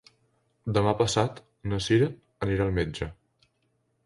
Demà passat na Cira anirà al metge.